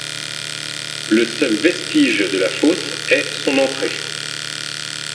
Le seul vestige de la fosse est son entrée.